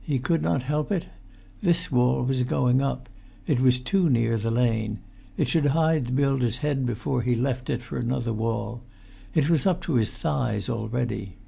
He could not help it. This wall was going up. It was too near the lane. It should hide the builder's head before he left it for another wall. It was up to his thighs already.